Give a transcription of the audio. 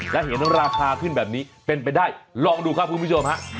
และเห็นราคาขึ้นแบบนี้เป็นไปได้ลองดูครับคุณผู้ชมฮะ